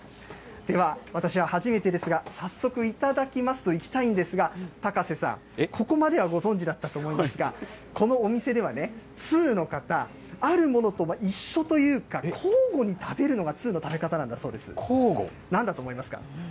では、私は初めてですが、早速、いただきますといきたいんですが、高瀬さん、ここまではご存じだったと思いますが、このお店ではね、通の方、ある物とは一緒というか、交互に食べるのが通の食べ方なんだそうです。なんだと思いますか？